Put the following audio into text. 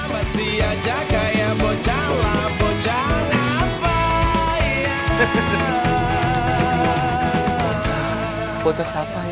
bocah siapa ya